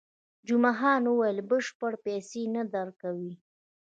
جمعه خان وویل، بشپړې پیسې نه درکوي.